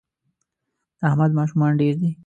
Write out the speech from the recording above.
د احمد ماشومان ډېر دي